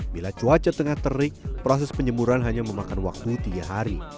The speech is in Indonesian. bila cuaca tengah terik proses penjemuran hanya memakan waktu tiga hari